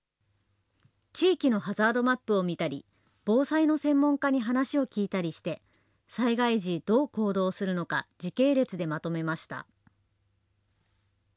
地域のハザードマップを見たり、防災の専門家に話を聞いたりして、災害時、どう行動するのか、時系列でまとめました。